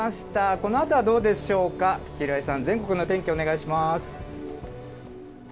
このあとはどうでしょうか、平井さん、全国の天気お願いします。